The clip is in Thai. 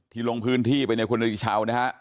ที่ลงพื้นที่ไปในคุณธิชาวนะฮะ